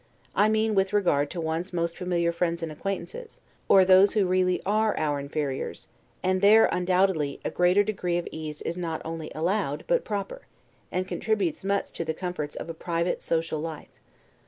I mean with regard to one's most familiar friends and acquaintances, or those who really are our inferiors; and there, undoubtedly, a greater degree of ease is not only allowed, but proper, and contributes much to the comforts of a private, social life.